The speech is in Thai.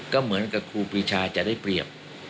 ก็เหมือนกับครูปีชาจะได้เปรียบ